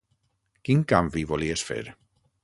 Quin canvi volies fer?